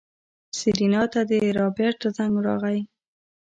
سېرېنا ته د رابرټ زنګ راغی.